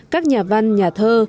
các nhà văn nhà thơ